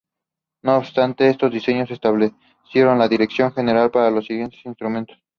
No obstante, estos diseños establecieron la dirección general para los siguientes instrumentos.